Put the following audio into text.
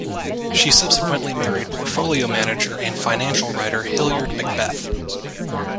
She subsequently married portfolio manager and financial writer Hilliard MacBeth.